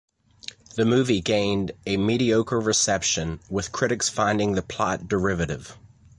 The movie gained a mediocre reception, with critics finding the plot derivative.